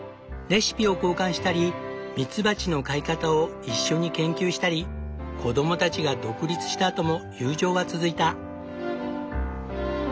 レシピを交換したりミツバチの飼い方を一緒に研究したり子供たちが独立したあとも友情は続いた。